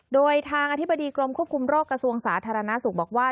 โดยทางอธิบดีกรมควบคุมโรคกระทรวงสาธารณสุขบอกว่า